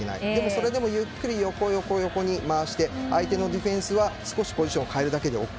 それでも横、横に回して相手のディフェンスは少しポジションを変えるだけでＯＫ。